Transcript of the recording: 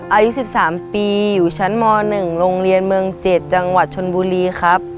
อายุ๑๓ปีอยู่ชั้นม๑โรงเรียนเมือง๗จังหวัดชนบุรีครับ